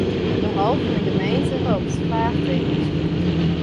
De rol fan 'e gemeente ropt fraachtekens op.